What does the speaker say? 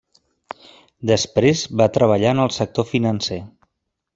Després va treballar en el sector financer.